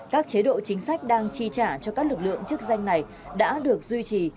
các chế độ chính sách đang chi trả cho các lực lượng chức danh này đã được duy trì